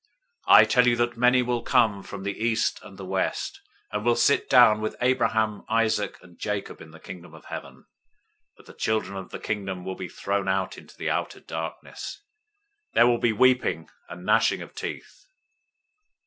008:011 I tell you that many will come from the east and the west, and will sit down with Abraham, Isaac, and Jacob in the Kingdom of Heaven, 008:012 but the children of the Kingdom will be thrown out into the outer darkness. There will be weeping and gnashing of teeth."